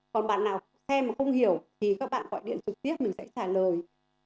còn bạn nào xem mà không hiểu thì các bạn gọi điện trực tiếp mình sẽ trả lời